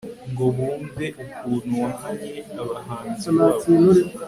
ngo bumve ukuntu wahannye abanzi babo